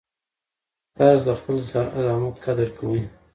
تاسو د خپل زحمت قدر کوئ.